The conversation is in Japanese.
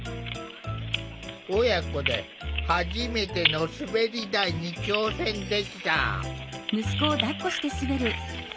親子で初めての滑り台に挑戦できた。